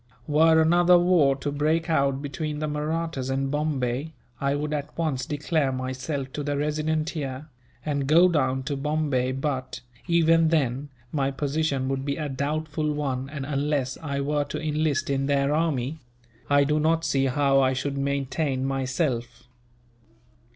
Were another war to break out between the Mahrattas and Bombay, I would at once declare myself to the Resident here, and go down to Bombay but, even then, my position would be a doubtful one and, unless I were to enlist in their army, I do not see how I should maintain myself.